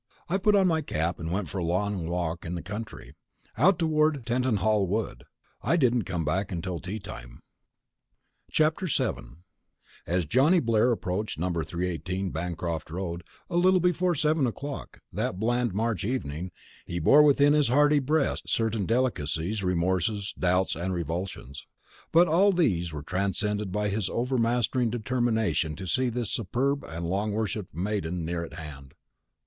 I put on my cap and went for a long walk in the country, out toward Tettenhall Wood. I didn't come back until tea time. VII As Johnny Blair approached number 318, Bancroft Road, a little before seven o'clock that bland March evening, he bore within his hardy breast certain delicacies, remorses, doubts, and revulsions. But all these were transcended by his overmastering determination to see this superb and long worshipped maiden near at hand.